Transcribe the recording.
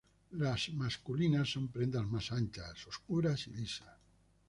Las masculinas son prendas más anchas, oscuras y lisas.